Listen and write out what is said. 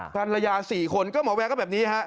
ภรรยา๔คนก็หมอแวร์ก็แบบนี้ฮะ